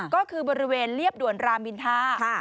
ก็คือบริเวณเรียบด่วนรามอินทา